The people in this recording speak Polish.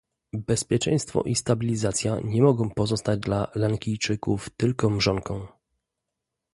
Bezpieczeństwo i stabilizacja nie mogą pozostać dla lankijczyków tylko mrzonką